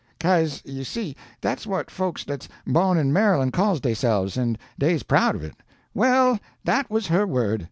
'Ca'se you see, dat's what folks dat's bawn in Maryland calls deyselves, an' dey's proud of it. Well, dat was her word.